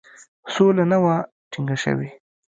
سوله نه وه ټینګه شوې.